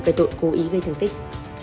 về tội cố ý gây thương tích